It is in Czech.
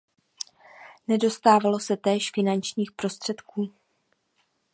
Nedostávalo se též finančních prostředků.